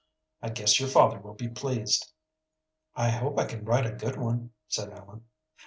I guess your father will be pleased." "I hope I can write a good one," said Ellen.